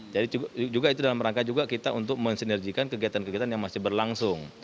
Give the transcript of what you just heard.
jadi juga itu dalam rangka juga kita untuk mensinergikan kegiatan kegiatan yang masih berlangsung